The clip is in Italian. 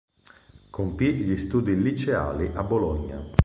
Compì gli studi liceali a Bologna.